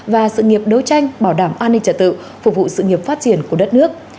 và sự nghiệp đấu tranh bảo đảm an ninh trả tự phục vụ sự nghiệp phát triển của đất nước